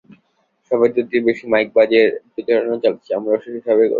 সবাই দুটির বেশি মাইক বাজিয়ে প্রচারণা চালাচ্ছে, আমরাও সেই হিসেবে করেছি।